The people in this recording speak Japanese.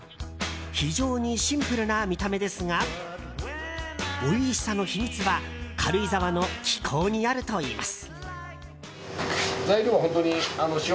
非常にシンプルな見た目ですがおいしさの秘密は軽井沢の気候にあるといいます。